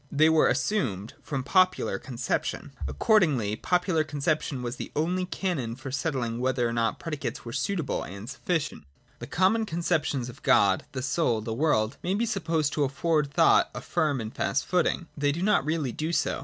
They were assumed from popular conception. Accordingly popular conception was the only canon for settling whether or not the predicates were suitable and sufficient. 31.] The common conceptions of God, the Soul, the World, may be supposed to afford thought a firm and fast footing. They do not really do so.